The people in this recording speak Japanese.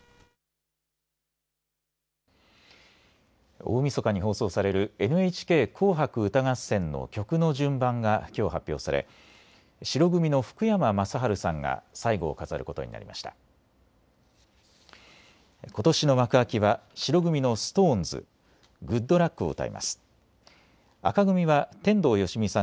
大みそかに放送されるＮＨＫ紅白歌合戦の曲の順番がきょう発表され、白組の福山雅治さんが最後を飾ることになりました。